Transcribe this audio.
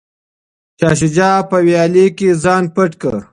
شاه شجاع په ویالې کې ځان پټ کړ.